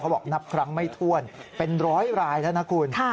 บอกนับครั้งไม่ถ้วนเป็นร้อยรายแล้วนะคุณ